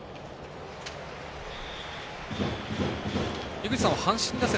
井口さん、阪神打線